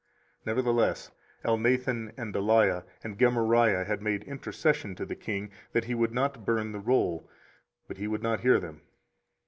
24:036:025 Nevertheless Elnathan and Delaiah and Gemariah had made intercession to the king that he would not burn the roll: but he would not hear them.